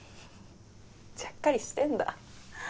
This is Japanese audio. ちゃっかりしてんだ。